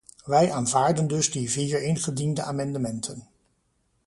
Wij aanvaarden dus die vier ingediende amendementen.